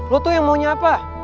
lu tuh yang maunya apa